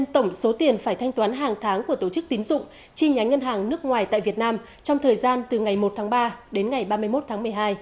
tổng số tiền phải thanh toán hàng tháng của tổ chức tín dụng chi nhánh ngân hàng nước ngoài tại việt nam trong thời gian từ ngày một tháng ba đến ngày ba mươi một tháng một mươi hai